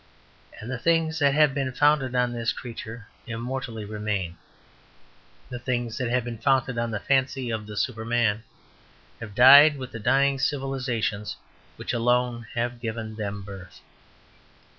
And the things that have been founded on this creature immortally remain; the things that have been founded on the fancy of the Superman have died with the dying civilizations which alone have given them birth.